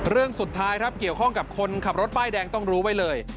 เรื่องสุดท้ายครับเกี่ยวข้องกับคนขับรถป้ายแดงต้องรู้ไว้เลย